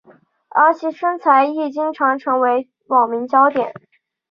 而其身材亦经常成为网民焦点。